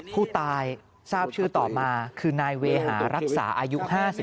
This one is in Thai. ผู้ตายทราบชื่อต่อมาคือนายเวหารักษาอายุ๕๓